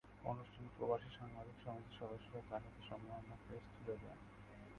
অনুষ্ঠানে প্রবাসী সাংবাদিক সমিতির সদস্যরা তাঁর হাতে সম্মাননা ক্রেস্ট তুলে দেন।